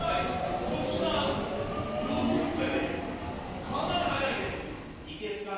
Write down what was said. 粗品、要チェックやでかなり速いで。